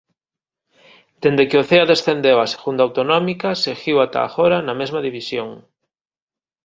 Dende que o Cea descendeu á Segunda Autonómica seguiu ata agora na mesma división.